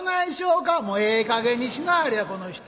「もうええかげんにしなはれやこの人は。